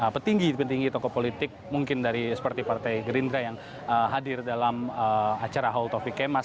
petinggi petinggi tokoh politik mungkin dari seperti partai gerindra yang hadir dalam acara haul taufik kemas